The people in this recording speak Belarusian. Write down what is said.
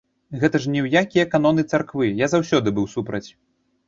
Гэта ж ні ў якія каноны царквы, я заўсёды быў супраць.